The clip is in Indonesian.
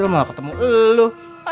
april malah ketemu lu